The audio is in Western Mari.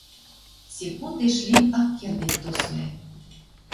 Секундеш лин ак кердеп тосвлӓ.